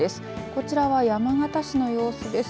こちらは山形市の様子です。